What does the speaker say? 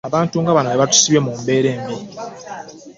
Abantu nga bano be batusibye mu mbeera embi.